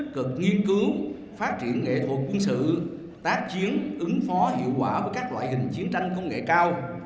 cực nghiên cứu phát triển nghệ thuật quân sự tác chiến ứng phó hiệu quả với các loại hình chiến tranh công nghệ cao